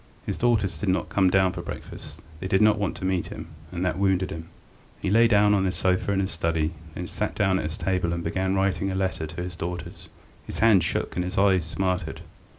His daughters did not come down to breakfast; they did not want to meet him, and that wounded him. He lay down on his sofa in his study, then sat down to his table and began writing a letter to his daughters. His hand shook and his eyes smarted.